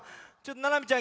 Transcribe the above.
ななみちゃん。